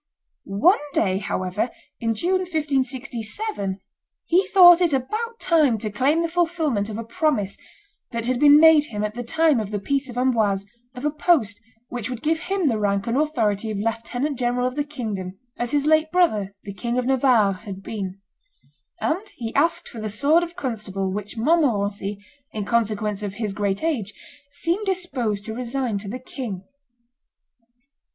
One day, however, in June, 1567, he thought it about time to claim the fulfilment of a promise that had been made him at the time of the peace of Amboise of a post which would give him the rank and authority of lieutenant general of the kingdom, as his late brother, the King of Navarre, had been; and he asked for the sword of constable which Montmorency, in consequence of his great age, seemed disposed to resign to the king.